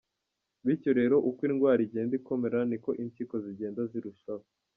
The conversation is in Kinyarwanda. Bityo rero uko indwara igenda ikomera niko impyiko zigenda zirushaho